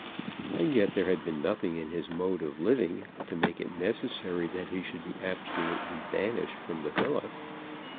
And yet there had been nothing in his mode of living to make it necessary that he should be absolutely banished from the villa.